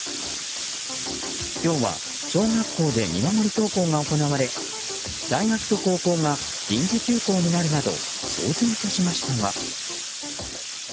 今日は小学校で見守り登校が行われ大学と高校が臨時休校になるなど騒然としましたが。